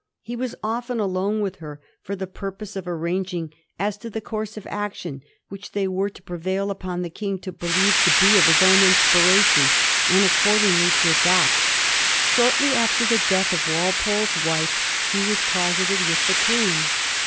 He was often alone with her for the purpose of arranging as to the course of action which they were to prevail upon the King to believe to be of his own inspiration, and accord ingly to adopt. Shortly after the death of Walpole's wife he was closeted with the Queen.